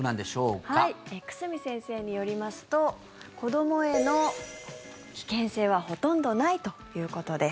久住先生によりますと子どもへの危険性はほとんどないということです。